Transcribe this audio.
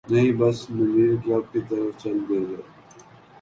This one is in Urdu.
نہیں بس ملیر کلب کی طرف چل دیتے۔